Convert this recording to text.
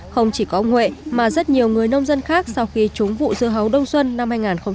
không chỉ có ông huệ mà rất nhiều người nông dân khác sau khi trúng vụ dưa hấu đông xuân năm hai nghìn một mươi tám